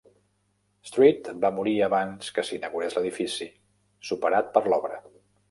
Street va morir abans que s'inaugurés l'edifici, superat per l'obra.